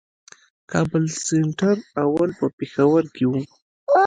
کابل سېنټر اول په پېښور کښي وو.